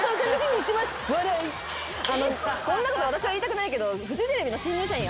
こんなこと私は言いたくないけどフジテレビの新入社員。